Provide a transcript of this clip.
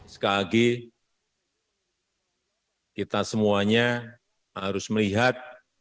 sekali lagi kita semuanya harus melihat